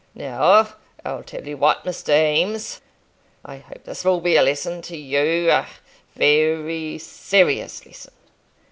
Now, I'll tell you what, Mr. Eames, I hope this will be a lesson to you, a very serious lesson."